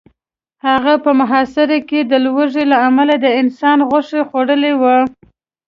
هغه په محاصره کې د لوږې له امله د انسان غوښه خوړلې وه